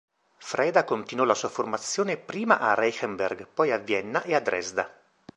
Freda continuò la sua formazione prima a Reichenberg poi a Vienna e a Dresda.